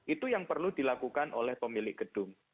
itu yang perlu dilakukan oleh pemilik gedung